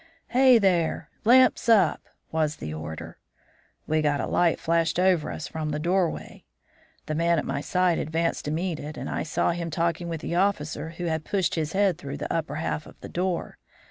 "'Hey, there! lamps up!' was the order. We got a light flashed over us from the doorway. "The man at my side advanced to meet it, and I saw him talking with the officer who had pushed his head through the upper half of the door.